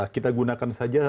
kita gunakan saja